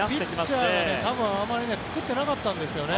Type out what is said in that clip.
ピッチャーが多分あまり作ってなかったんですよね。